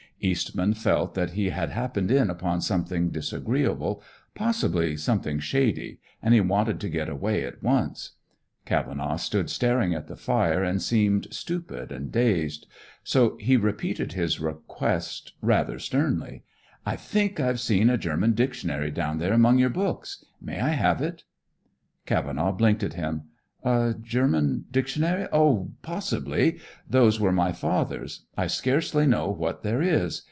Eastman felt that he had happened in upon something disagreeable, possibly something shady, and he wanted to get away at once. Cavenaugh stood staring at the fire and seemed stupid and dazed; so he repeated his request rather sternly, "I think I've seen a German dictionary down there among your books. May I have it?" Cavenaugh blinked at him. "A German dictionary? Oh, possibly! Those were my father's. I scarcely know what there is."